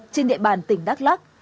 trên địa bàn tỉnh đắk lắc